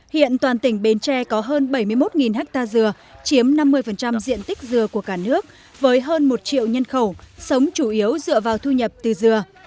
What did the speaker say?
hiện toàn tỉnh bến tre có hơn bảy mươi một ha dừa chiếm năm mươi diện tích dừa của cả nước với hơn một triệu nhân khẩu sống chủ yếu dựa vào thu nhập từ dừa